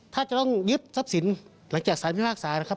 ถ้าจะต้องยึดทรัพย์สินหลังจากสารพิพากษานะครับ